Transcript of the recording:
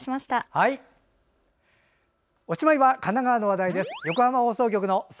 おしまいは神奈川の話題です。